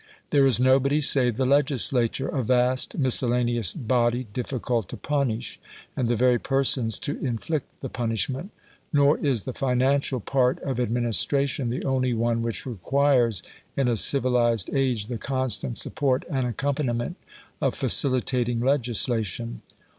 There is nobody save the legislature, a vast miscellaneous body difficult to punish, and the very persons to inflict the punishment. Nor is the financial part of administration the only one which requires in a civilised age the constant support and accompaniment of facilitating legislation.